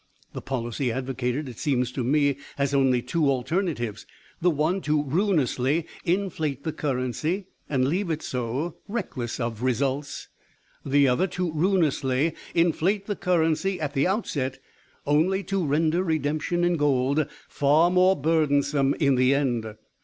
The policy advocated, it seems to me, has only two alternatives the one to ruinously inflate the currency and leave it so, reckless of results; the other to ruinously inflate the currency at the outset, only to render redemption in gold far more burdensome in the end.